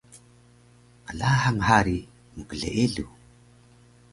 Qlahang hari mkleeluw